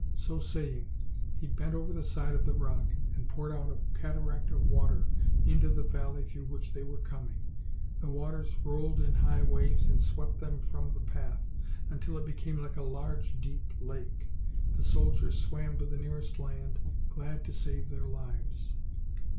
So saying, he bent over the side of the rock and poured out a cataract of water into the valley through which they were coming. The waters rolled in high waves and swept them from the path, until it became like a large, deep lake. The sol diers swam to the nearest land, glad to save their lives.